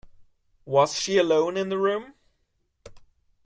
Was she alone in the room?